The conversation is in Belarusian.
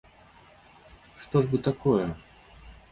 Што ж бы такое?